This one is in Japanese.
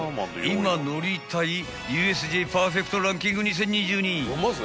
今乗りたいＵＳＪパーフェクトランキング２０２２］